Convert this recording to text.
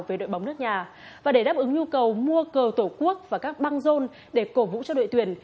với đội bóng nước nhà và để đáp ứng nhu cầu mua cờ tổ quốc và các băng rôn để cổ vũ cho đội tuyển